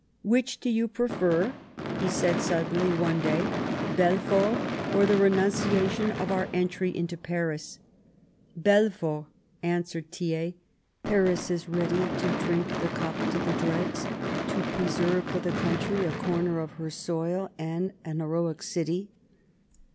" Which do you prefer," he said suddenly one day, " Belfort or the renunciation of our entry into Paris ?"" Belfort," answered Thiers ;" Paris is ready to drink the cup to the dregs to preserve for the country a corner of her soil and an heroic city."